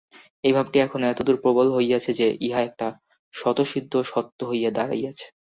এই ভাবটি এখন এতদূর প্রবল হইয়াছে যে, ইহা একটা স্বতঃসিদ্ধ সত্য হইয়া দাঁড়াইয়াছে।